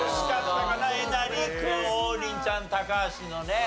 えなり君王林ちゃん高橋のね。